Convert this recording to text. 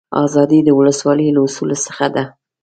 آزادي د ولسواکي له اصولو څخه ده.